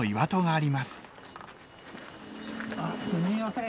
あっすみません。